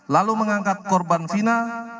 lalu mengangkat korban fina